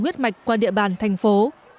huyết mạch qua địa bàn thành phố